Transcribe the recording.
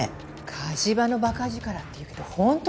火事場の馬鹿力って言うけど本当ね。